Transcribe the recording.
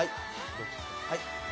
はい。